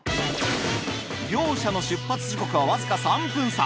両者の出発時刻はわずか３分差。